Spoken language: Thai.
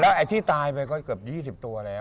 ไอ้ที่ตายไปก็เกือบ๒๐ตัวแล้ว